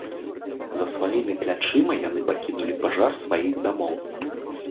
За сваімі плячыма яны пакінулі пажар сваіх дамоў.